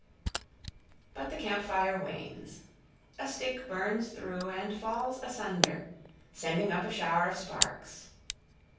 But the camp fire wanes. A stick burns through and falls asunder, sending up a shower of sparks.